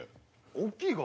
大きいか？